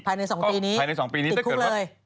ภายใน๒ปีนี้ติดคุกเลย